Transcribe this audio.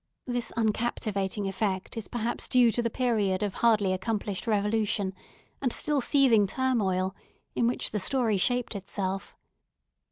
This uncaptivating effect is perhaps due to the period of hardly accomplished revolution, and still seething turmoil, in which the story shaped itself.